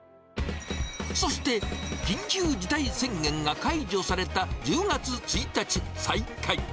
そして緊急事態宣言が解除された１０月１日、再開。